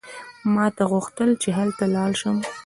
ما ته غوښتل چې هلته لاړ شم.